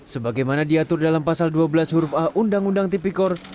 sebagaimana diatur dalam pasal dua belas huruf a undang undang tipikor